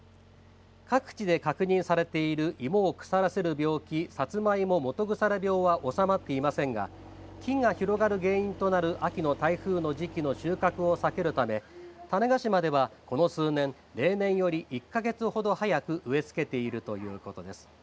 各地で確認されている芋を腐らせる病気サツマイモ基腐病は収まっていませんが菌が広がる原因となる秋の台風の時期の収穫を避けるため種子島ではこの数年、例年より１か月ほど早く植えつけているということです。